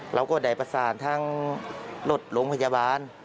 เราก็ได้ประสานทางรถโรงพยาบาล